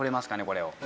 これを。